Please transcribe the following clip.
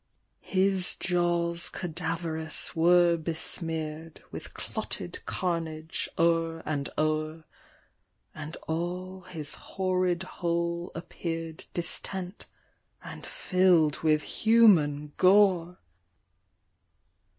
His jaws cadaverous were besmear'd With clotted carnage o'er and o'er, And all his horrid whole appear'd Distent, and fill'd with human gore